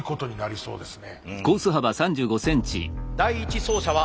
そうですね。